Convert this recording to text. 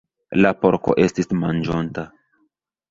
La porko estis manĝonta.